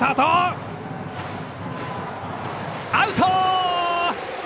アウト！